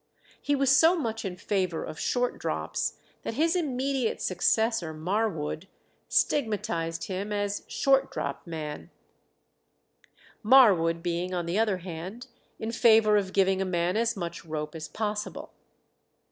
He was so much in favour of short drops that his immediate successor, Marwood, stigmatized him as a "short drop" man; Marwood being, on the other hand, in favour of giving a man as much rope as possible.